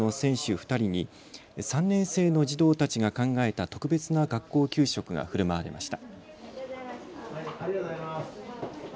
２人に３年生の児童たちが考えた特別な学校給食がふるまわれました。